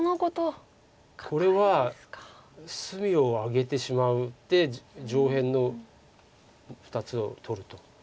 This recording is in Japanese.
これは隅をあげてしまって上辺の２つを取ると。